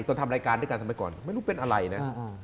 ทำรายการด้วยกันสมัยก่อนไม่รู้เป็นอะไรนะ